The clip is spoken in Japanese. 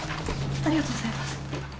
ありがとうございます